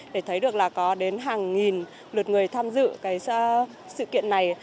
để thấy được là có đến hàng nghìn lượt người tham gia